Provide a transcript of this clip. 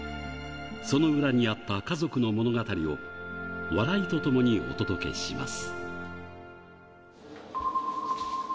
その裏にあった家族の物語を、笑いとともにお届けします。